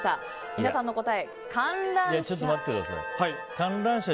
皆さんの答え、観覧車。